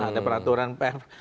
ada peraturan pr